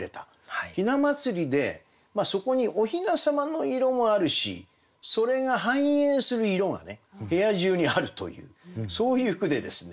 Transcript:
雛祭でそこにお雛様の色もあるしそれが反映する色がね部屋中にあるというそういう句でですね